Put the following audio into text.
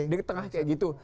di tengah kayak gitu